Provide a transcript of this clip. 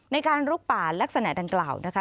ในการลุกป่าลักษณะดังกล่าวนะคะ